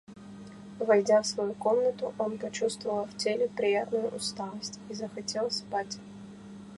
Войдя в свою комнату, он почувствовал в теле приятную усталость и захотел спать.